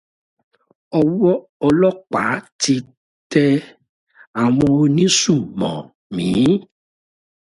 Ọwọ́ àwọn ọlọ́pàá tẹ awọn oní sùmọ̀mí.